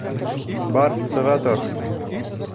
Бар, сыға тор!